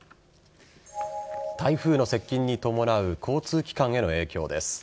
台風の接近に伴う交通機関への影響です。